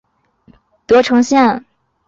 德城线